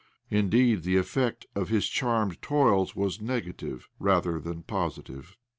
Indeed, the effect of his charmed toils was negative rather than positive.